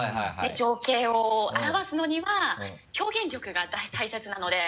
情景を表すのには表現力が大切なので。